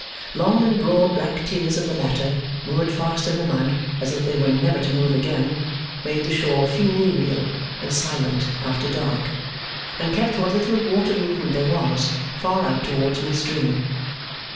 Long and broad black tiers of the latter, moored fast in the mud as if they were never to move again, made the shore funereal and silent after dark; and kept what little water movement there was, far out towards mid stream.